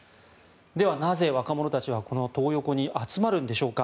ではなぜ若者たちはこのトー横に集まるんでしょうか。